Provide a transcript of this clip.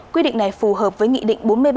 quy định này phù hợp với nghị định bốn mươi ba